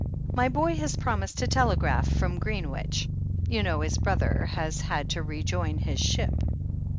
My boy has promised to telegraph from Greenwich. You know his brother has had to rejoin his ship?"